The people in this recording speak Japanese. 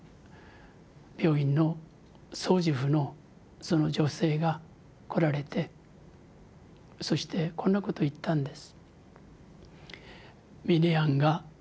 病院の掃除婦のその女性が来られてそしてこんなこと言ったんです。